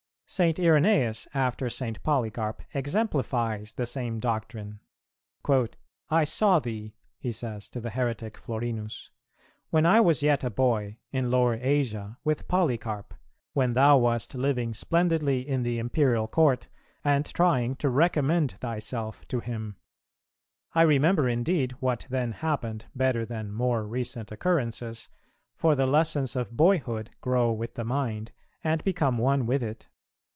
St. Irenæus after St. Polycarp exemplifies the same doctrine: "I saw thee," he says to the heretic Florinus, "when I was yet a boy, in lower Asia, with Polycarp, when thou wast living splendidly in the Imperial Court, and trying to recommend thyself to him. I remember indeed what then happened better than more recent occurrences, for the lessons of boyhood grow with the mind and become one with it.